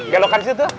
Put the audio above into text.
gelokan gitu tuh